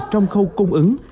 trong khâu cung ứng